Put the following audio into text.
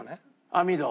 網戸。